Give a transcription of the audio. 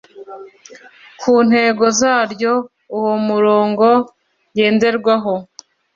ku ntego zaryo Uwo murongo ngenderwaho